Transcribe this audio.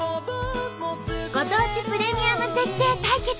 ご当地プレミアム絶景対決。